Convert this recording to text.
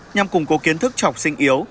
nhằm củng cố kiến thức cho học sinh yếu